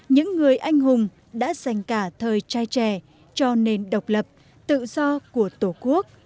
những người anh hùng đã dành cả thời trai trẻ cho nền độc lập tự do của tổ quốc